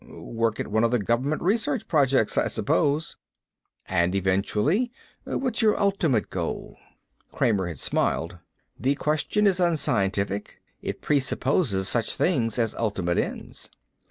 Work at one of the Government Research Projects, I suppose." "And eventually? What's your ultimate goal?" Kramer had smiled. "The question is unscientific. It presupposes such things as ultimate ends."